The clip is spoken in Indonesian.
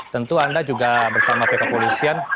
tentu anda juga bersama pk polisian